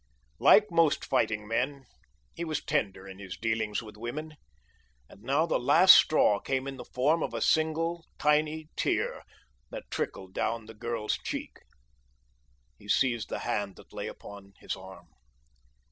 Like most fighting men, he was tender in his dealings with women. And now the last straw came in the form of a single tiny tear that trickled down the girl's cheek. He seized the hand that lay upon his arm.